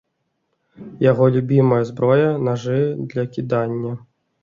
Яго любімая зброя нажы для кідання.